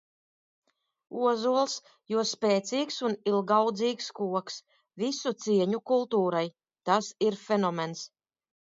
Ozols, jo spēcīgs un ilgaudzīgs koks. Visu cieņu kultūrai. Tas ir fenomens.